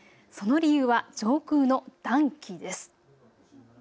その理由は上空の暖気です。